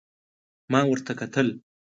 ما ورته کتل ،